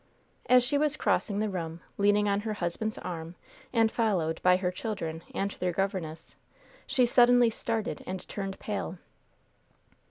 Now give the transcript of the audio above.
As she was crossing the room, leaning on her husband's arm and followed by her children and their governess, she suddenly started and turned pale.